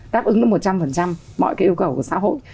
đáp ứng được một trăm linh mọi cái yêu cầu của xã hội